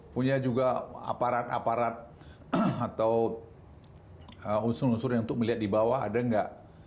punya juga aparat aparat atau unsur unsur yang untuk melihat di bawah ada nggak